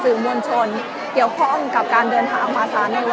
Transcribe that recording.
และที่อยู่ด้านหลังคุณยิ่งรักนะคะก็คือนางสาวคัตยาสวัสดีผลนะคะ